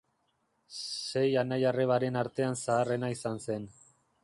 Sei anai-arrebaren artean zaharrena izan zen.